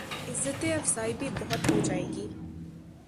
عزت افزائی بھی بہت ہو جائے گی۔